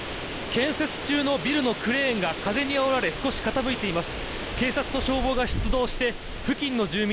建設中のビルのクレーンが風にあおられ少し傾いています。